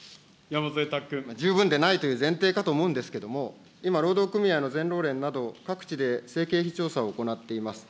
十分でないという前提かと思うんですけれども、今、労働組合の全労連など、各地で正規非正規調査を行っています。